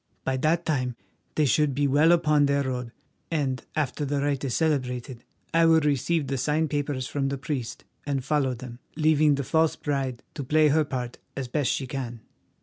By that time they should be well upon their road, and, after the rite is celebrated, I will receive the signed papers from the priest and follow them, leaving the false bride to play her part as best she can."